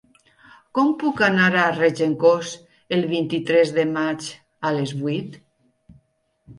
Com puc anar a Regencós el vint-i-tres de maig a les vuit?